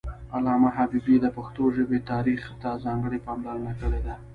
علامه حبيبي د پښتو ژبې تاریخ ته ځانګړې پاملرنه کړې ده